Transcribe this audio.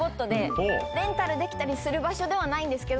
レンタルできる場所ではないんですけど。